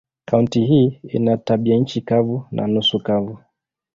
Kaunti hii ina tabianchi kavu na nusu kavu.